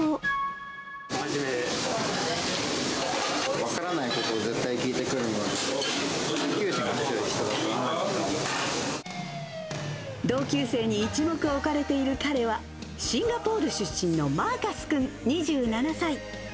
分からないことを絶対聞いてくる、同級生に一目置かれている彼は、シンガポール出身のマーカス君２７歳。